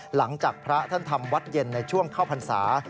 หลังจากพระท่านทำวัดเย็นในช่วงเข้าพรรษา